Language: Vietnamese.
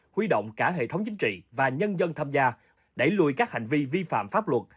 huy động cả hệ thống chính trị và nhân dân tham gia đẩy lùi các hành vi vi phạm pháp luật